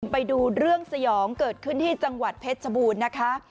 ไปดูเรื่องสยองเกิดขึ้นที่จังหวัดเพชรชบูรณ์นะคะ